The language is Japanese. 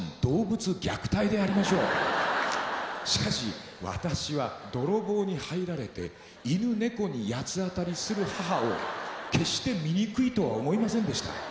しかし私は泥棒に入られて犬猫に八つ当たりする母を決して醜いとは思いませんでした。